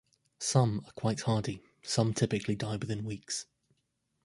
Some are quite hardy, some typically die within weeks.